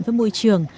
với môi trường